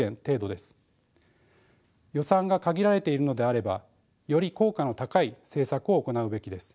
予算が限られているのであればより効果の高い政策を行うべきです。